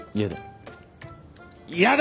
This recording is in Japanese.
嫌だ。